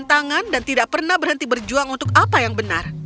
tentang segala rintangan dan tidak pernah berhenti berjuang untuk apa yang benar